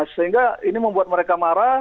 sehingga ini membuat mereka marah